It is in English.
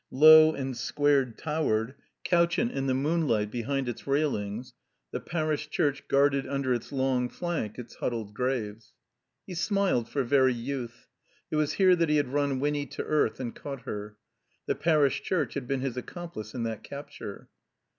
Low and square towered, couch ant in the moonlight behind its railings, the Parish Church guarded tmder its long flank its huddled graves. He smiled for very Youth. It was here that he had run Winny to earth and caught her. The Parish Church had been his accomplice in that capture.